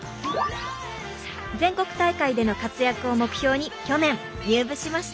全国大会での活躍を目標に去年入部しました。